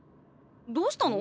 どうしたの？